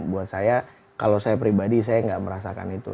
buat saya kalau saya pribadi saya nggak merasakan itu